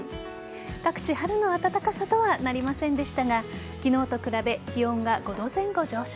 各地、春の暖かさとはなりませんでしたが昨日と比べ、気温が５度前後上昇。